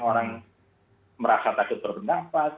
orang merasa takut berpendapat